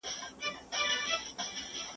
محبت هره لمــــــــــحه يـــــــو امتحان دې